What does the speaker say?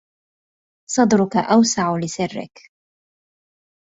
صدرك أوسع لسرك